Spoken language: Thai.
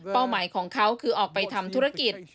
หมายของเขาคือออกไปทำธุรกิจ